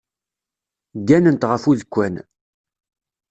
Gganent ɣef udekkan.